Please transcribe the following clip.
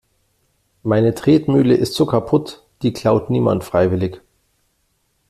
Meine Tretmühle ist so kaputt, die klaut niemand freiwillig.